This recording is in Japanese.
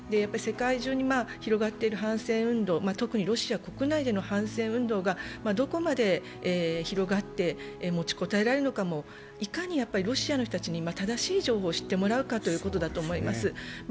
世界中に広がっている反戦運動、特にロシア国内での反戦運動がどこまで広がって持ちこたえられるのかも、いかにロシアの人たちに正しい情報を知ってもらうかということだと思います。